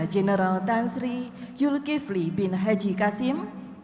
jenderal tan sri yul kivli bin haji qasim